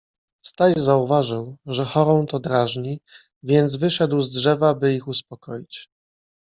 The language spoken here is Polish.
Staś zauważył, że chorą to drażni, więc wyszedł z drzewa, by ich uspokoić.